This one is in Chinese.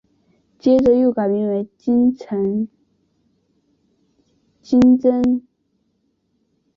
接着又改名为晴贞。